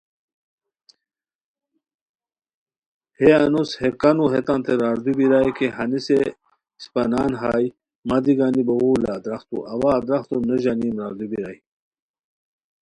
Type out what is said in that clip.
ہے انوس ہے کانو ہیتانتے راردو بیرائے کی ہنیسے اسپہ نان ہائے مہ دی گانی بوغور لا ادرختو، اوا ادرختو نو ژانیم راردو بیرائے